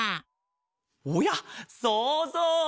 おやそうぞう！